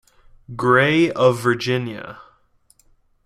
Gray of Virginia.